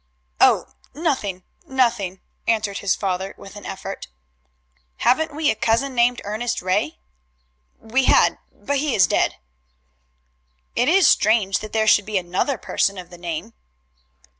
"Oh, nothing, nothing," answered his father with an effort. "Haven't we a cousin named Ernest Ray?" "We had, but he is dead." "It is strange that there should be another person of the name."